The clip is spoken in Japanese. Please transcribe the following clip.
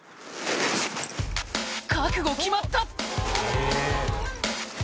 覚悟決まった！